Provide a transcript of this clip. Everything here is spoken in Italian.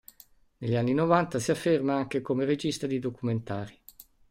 Negli anni Novanta si afferma anche come regista di documentari.